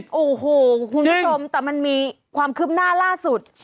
โอ้โหคุณผู้ชมแต่มันมีความคืบหน้าล่าสุด